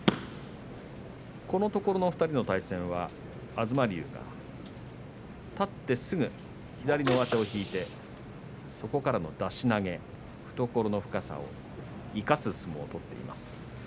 このところの２人の対戦は東龍が立ってすぐ左の上手を引いてそこからの出し投げ懐の深さを生かす相撲を取っています。